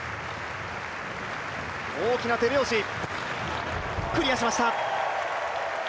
大きな手拍子、クリアしました。